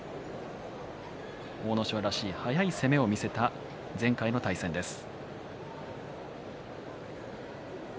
阿武咲らしい速い攻めを見せた前回の対戦です。